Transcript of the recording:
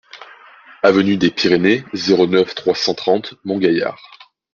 Avenue des Pyrénées, zéro neuf, trois cent trente Montgaillard